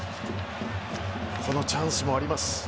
その後、チャンスもあります